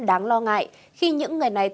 đáng lo ngại khi những người này